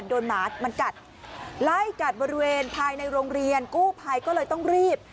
หมามันกัดไล่กัดบริเวณภายในโรงเรียนกู้ภัยก็เลยต้องรีบ